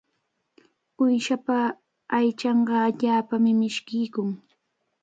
Uyshapa aychanqa allaapami mishkiykun.